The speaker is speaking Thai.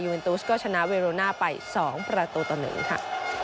ยูเวนทูสก็ชนะเวโรน่าไป๒ประตูต่อหนึ่งค่ะ